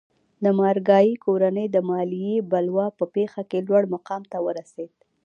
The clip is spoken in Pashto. د مارګای کورنۍ د مالیې بلوا په پېښه کې لوړ مقام ته ورسېده.